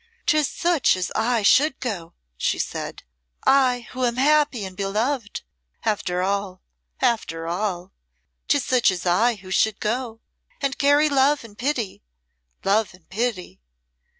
"'Tis such as I should go," she said, "I who am happy and beloved after all after all! 'Tis such as I who should go, and carry love and pity love and pity!"